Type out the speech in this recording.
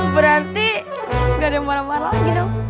berarti gak ada yang marah marah lagi dong